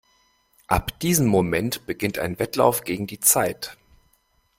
Ab diesem Moment beginnt ein Wettlauf gegen die Zeit.